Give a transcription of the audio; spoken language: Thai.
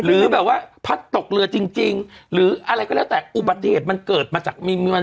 หรือแบบว่าพัดตกเรือจริงจริงหรืออะไรก็แล้วแต่อุบัติเหตุมันเกิดมาจากมีวัน